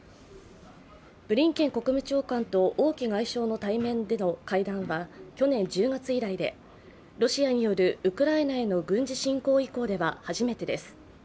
ブリンケン国務長官と王毅外相の対面での会談は去年１０月以来でロシアによるウクライナへの軍事侵攻以降では初めてです。